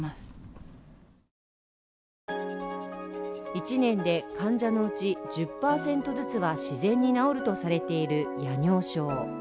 １年で患者のうち１０％ずつは自然に治るとされている夜尿症。